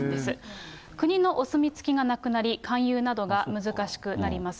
国のお墨付きがなくなり、勧誘などが難しくなります。